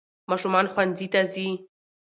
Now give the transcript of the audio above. ماشومان ښونځي ته ځي